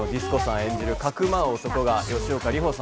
演じる匿う男が、吉岡里帆さん